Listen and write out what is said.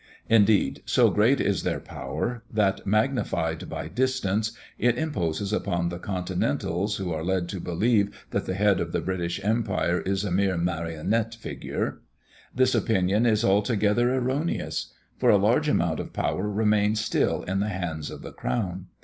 Indeed, so great is their power, that, magnified by distance, it imposes upon the Continentals, who are led to believe that the head of the British empire is a mere Marionette figure. This opinion is altogether erroneous; for a large amount of power remains still in the hands of the crown.